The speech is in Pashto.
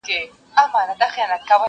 څه کلونه بېخبره وم له ځانه؛